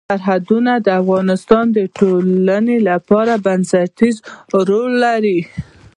سرحدونه د افغانستان د ټولنې لپاره بنسټيز رول لري.